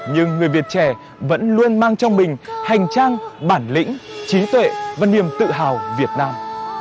nhưng người việt trẻ vẫn luôn mang trong mình hành trang bản lĩnh trí tuệ và niềm tự hào việt nam